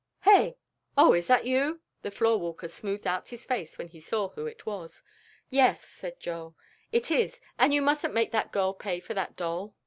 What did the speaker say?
"Hey? Oh, is that you?" The floor walker smoothed out his face when he saw who it was. "Yes," said Joel, "it is, and you mustn't make that girl pay for that doll."